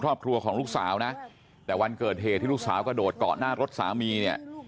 ครอบครัวของลูกสาวนะแต่วันเกิดเหตุที่ลูกสาวกระโดดเกาะหน้ารถสามีเนี่ย